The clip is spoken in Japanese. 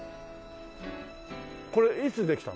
これいつできたの？